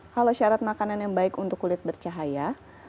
kalau syarat makanan yang baik untuk kulit bercahaya